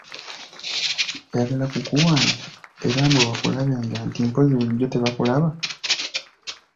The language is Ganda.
Oyagala kukuwaana era mbu bakulabenga nti mpozzi bulijjo tebakulaba!